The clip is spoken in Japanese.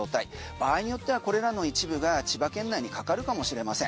場合によってはこれらの一部が千葉県内にかかるかもしれません。